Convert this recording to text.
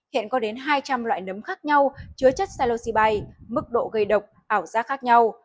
hiện có đến hai trăm linh loại nấm khác nhau chứa chất salosi bay mức độ gây độc ảo giác khác nhau